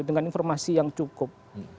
dengan informasi yang cukup